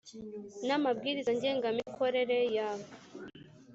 n amabwiriza ngengamikorere ya